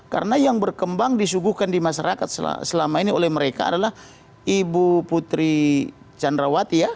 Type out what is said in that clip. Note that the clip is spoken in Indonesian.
karena yang berkembang disuguhkan di masyarakat selama ini oleh mereka adalah ibu putri cenrawati ya